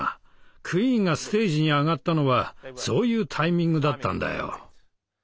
クイーンがステージに上がったのはそういうタイミングだったんだよ。